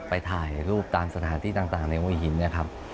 ไปถ่ายรูปตามสถานที่ต่างในหัวหินนะครับ